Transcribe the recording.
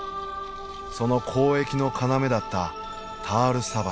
その交易の要だったタール砂漠。